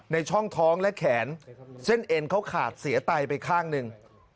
ในช่องท้องและแขนเส้นเอ็นเขาขาดเสียไตไปข้างหนึ่ง